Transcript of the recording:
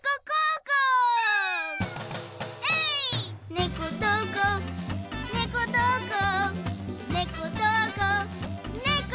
ねこどこねこどこねこどこねこ